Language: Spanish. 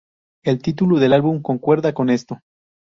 El título del álbum concuerda con esto.